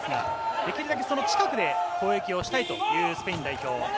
できるだけその近くで攻撃をしたいというスペイン代表。